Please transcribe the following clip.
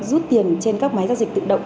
rút tiền trên các máy giao dịch tự động